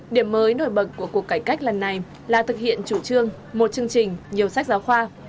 điểm mới nổi bật của cuộc cải cách lần này là thực hiện chủ trương một chương trình nhiều sách giáo khoa